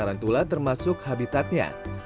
karakteristik tarantula termasuk habitatnya